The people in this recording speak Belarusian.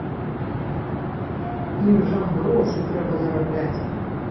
Ім жа грошы трэба зарабляць.